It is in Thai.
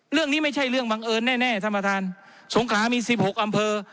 เรื่องนี้ไม่ใช่เรื่องบังเอิญแน่ท่านประธานสงขามี๑๖อำเภอ